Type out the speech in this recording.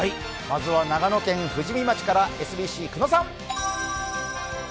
まずは長野県富士見町からＳＢＣ、久野さん。